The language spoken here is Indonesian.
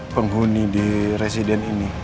penghuni di residen ini